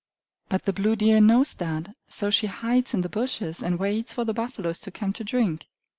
But the blue deer knows that; so she hides in the bushes, and waits for the buffaloes to come to drink.